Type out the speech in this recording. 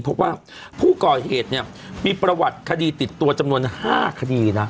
พบว่าผู้ก่อเหตุเนี่ยมีประวัติคดีติดตัวจำนวน๕คดีนะ